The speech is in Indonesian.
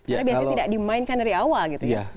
karena biasanya tidak dimainkan dari awal gitu ya